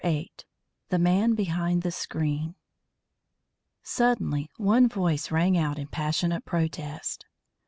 VIII THE MAN BEHIND THE SCREEN Suddenly one voice rang out in passionate protest.